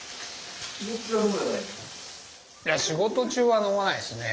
いや仕事中は飲まないっすね。